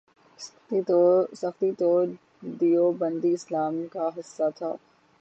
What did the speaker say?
سختی تو دیوبندی اسلام کا حصہ تھا۔